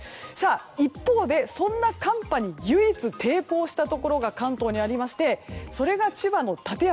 一方で、そんな寒波に唯一、抵抗したところが関東にありましてそれが千葉の館山。